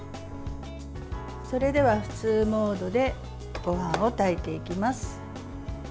それでは普通モードでごはんを炊いていきます。